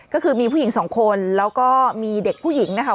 ก็คือมีผู้หญิงสองคนแล้วก็มีเด็กผู้หญิงนะคะ